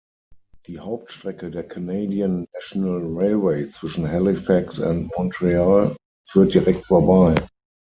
Die Hauptstrecke der Canadian National Railway zwischen Halifax und Montreal führt direkt vorbei.